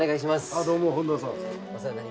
あどうも本田さん。